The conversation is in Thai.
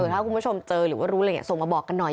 ถ้าคุณผู้ชมเจอหรือว่ารู้อะไรอย่างนี้ส่งมาบอกกันหน่อย